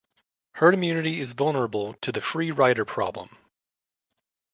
Herd immunity is vulnerable to the free rider problem.